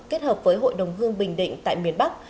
kết hợp với hội đồng hương bình định tại miền bắc